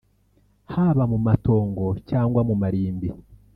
haba mu matongo cyangwa mu marimbi